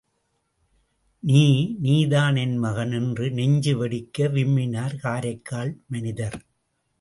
நீ!.... நீதான் என் மகன்!... என்று நெஞ்சு வெடிக்க விம்மினார் காரைக்கால் மனிதர்!